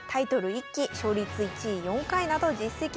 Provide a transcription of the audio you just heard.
１期勝率１位４回など実績多数。